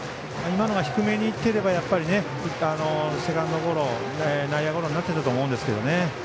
今のが低めにいっていればセカンドゴロ、内野ゴロになっていたと思うんですけど。